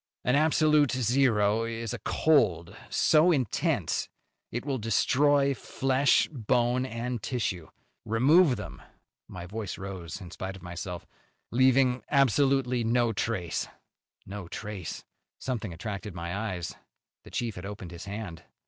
"An absolute zero is a cold so intense it will destroy flesh, bone and tissue. Remove them," my voice rose in spite of myself, "leaving absolutely no trace." No trace! Something attracted my eyes. The chief had opened his hand.